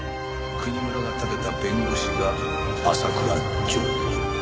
国村が立てた弁護士が浅倉譲だ。